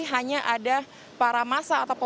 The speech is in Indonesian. hanya ada para masa atau perempuan